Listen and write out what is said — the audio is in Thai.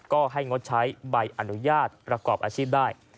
ก็ให้งดใช้ใบอนุญาตประกอบอาชีพได้